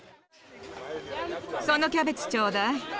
そのキャベツちょうだい。